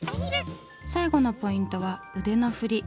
最後のポイントは「腕の振り」。